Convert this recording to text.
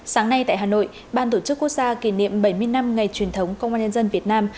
sáng nay tại hà nội ban tổ chức quốc gia kỷ niệm bảy mươi năm ngày truyền thống công an nhân dân việt nam